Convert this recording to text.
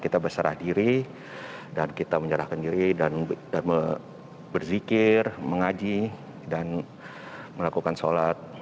kita berserah diri dan kita menyerahkan diri dan berzikir mengaji dan melakukan sholat